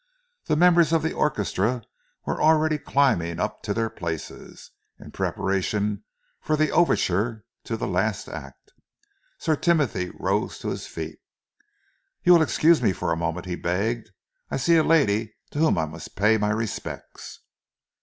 The members of the orchestra were already climbing up to their places, in preparation for the overture to the last act. Sir Timothy rose to his feet. "You will excuse me for a moment," he begged. "I see a lady to whom I must pay my respects."